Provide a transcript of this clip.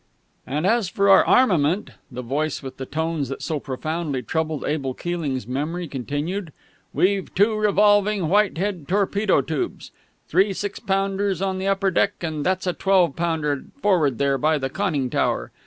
"And as for our armament," the voice with the tones that so profoundly troubled Abel Keeling's memory continued, "_we've two revolving Whitehead torpedo tubes, three six pounders on the upper deck, and that's a twelve pounder forward there by the conning tower.